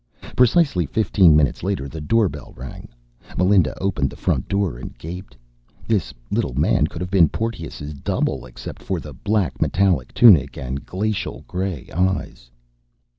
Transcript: Precisely fifteen minutes later, the doorbell rang. Melinda opened the front door and gaped. This little man could have been Porteous's double, except for the black metallic tunic, the glacial gray eyes.